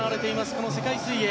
この世界水泳。